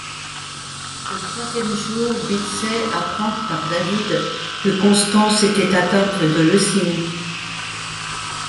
Au troisième jour, Bitsey apprend par David que Constance était atteinte de leucémie.